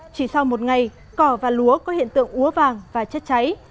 chỉ sau một ngày cỏ và lúa có hiện tượng úa vàng và chất cháy